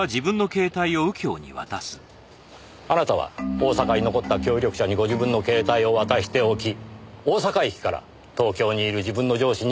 あなたは大阪に残った協力者にご自分の携帯を渡しておき大阪駅から東京にいる自分の上司に電話をかけさせる。